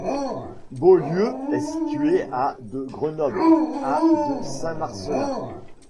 Beaulieu est situé à de Grenoble, à de Saint-Marcellin.